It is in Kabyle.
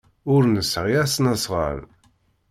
Ur nesɛi asnasɣal.